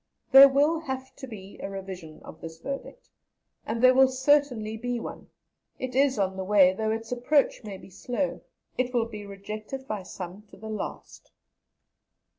There will have to be a Revision of this Verdict, and there will certainly be one; it is on the way, though its approach may be slow. It will be rejected by some to the last.